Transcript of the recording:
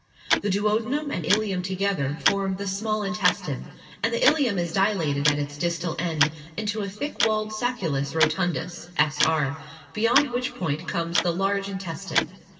The duodenum and ileum together form the small intestine; and the ileum is dilated at its distal end into a thick walled sacculus rotundus (s.r.), beyond which point comes the large intestine.